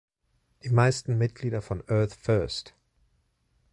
Die meisten Mitglieder von Earth First!